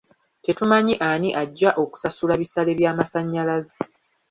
Tetumanyi ani ajja okusasula bisale by'amasannyalaze .